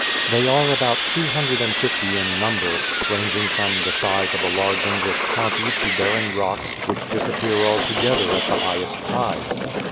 They are about two hundred and fifty in number, ranging from the size of a large English county to barren rocks which disappear altogether at the highest tides.